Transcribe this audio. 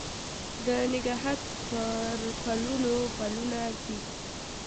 د نګهت پر پلونو پلونه ږدي